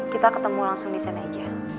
kita ketemu langsung disana aja